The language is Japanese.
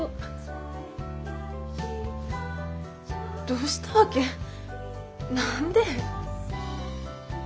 どうしたわけ？何で？